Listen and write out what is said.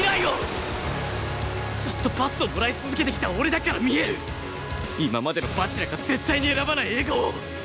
ずっとパスをもらい続けてきた俺だから見える今までの蜂楽が絶対に選ばないエゴを！